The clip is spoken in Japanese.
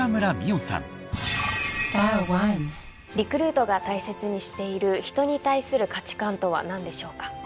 リクルートが大切にしている人に対する価値観とは何でしょうか？